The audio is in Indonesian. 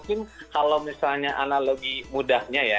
mungkin kalau misalnya analogi mudahnya ya